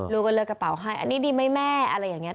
ลูกก็เลือกกระเป๋าให้อันนี้ดีไหมแม่อะไรอย่างนี้